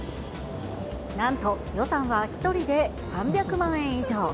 なんと予算は１人で３００万円以上。